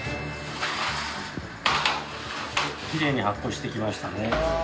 きれいに発酵してきましたね。